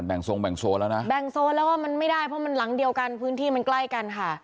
แบ่งโซนแล้วว่ามันไม่ได้เพราะมันหลังเดียวกันพื้นที่มันใกล้กันค่ะ